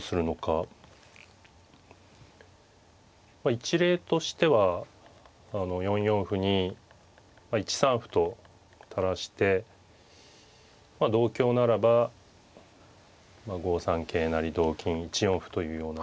一例としては４四歩に１三歩と垂らして同香ならば５三桂成同金１四歩というような。